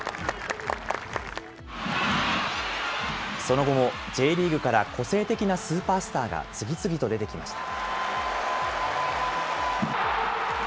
その後もＪリーグから個性的なスーパースターが次々と出てきました。